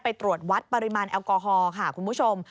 ไปตรวจวัดปริมาณแอลกอฮอล์ค่ะคุณผู้ชม